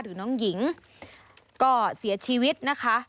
หรือน้องหญิงก็เสียชีวิตนะคะ